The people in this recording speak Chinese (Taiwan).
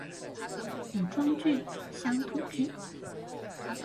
古裝劇，鄉土劇